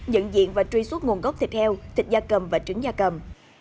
nhận diện và truy xuất nguồn gốc thịt heo thịt da cầm và trứng da cầm